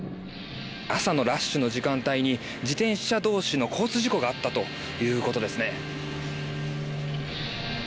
朝のラッシュの時間帯に自転車同士の交通事故があったということですね。